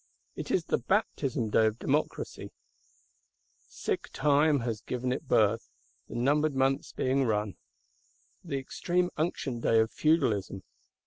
It is the baptism day of Democracy; sick Time has given it birth, the numbered months being run. The extreme unction day of Feudalism!